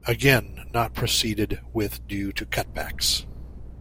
Again not proceeded with due to cutbacks.